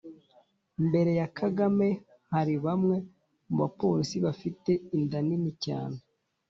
Mbere ya Kagame hariho bamwe mu bapolisi bafite inda nini cyane